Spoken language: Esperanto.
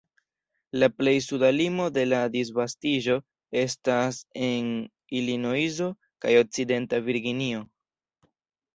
La plej suda limo de la disvastiĝo estas en Ilinojso kaj Okcidenta Virginio.